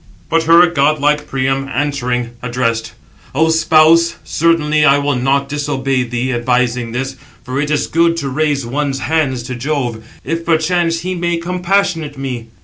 But her godlike Priam answering, addressed: "O spouse, certainly I will not disobey thee, advising this; for it is good to raise one's hands to Jove, if perchance he may compassionate me."